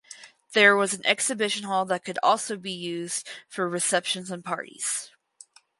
There was an exhibition hall that could also be used for receptions and parties.